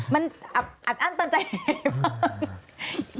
มันอัดอั้นตามใจให้ฟัง